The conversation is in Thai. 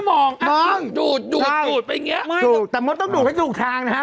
ไม่ใช่เขาหลอดปากด้วยมันหรือ